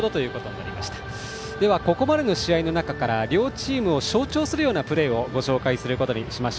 では、ここまでの試合の中から両チームを象徴するようなプレーをご紹介することにします。